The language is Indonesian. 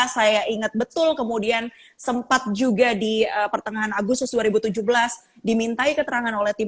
saya ingat betul kemudian sempat juga di pertengahan agustus dua ribu tujuh belas dimintai keterangan oleh tim